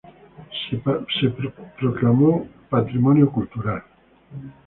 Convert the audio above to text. Es proclamado el patrimonio cultural.